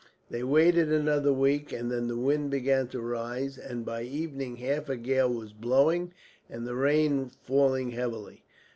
They waited another week and then the wind began to rise, and by evening half a gale was blowing, and the rain falling heavily.